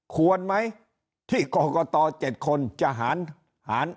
ควรไหมที่ก่อก่อต่อ๗คนจะหาร